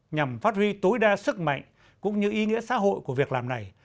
nhằm phát huy tối đa sức mạnh cũng như ý nghĩa xã hội của việc làm này